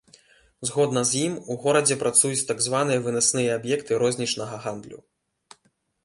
Згодна з ім, у горадзе працуюць так званыя вынасныя аб'екты рознічнага гандлю.